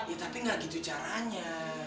ya tapi nggak gitu caranya